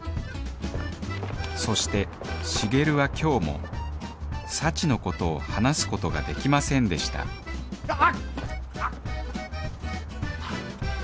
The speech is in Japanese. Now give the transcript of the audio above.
そして重流は今日も幸のことを話すことができませんでしたあっ！